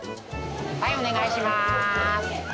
はいお願いします。